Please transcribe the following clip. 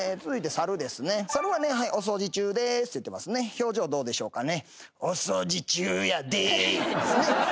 表情どうでしょうかね。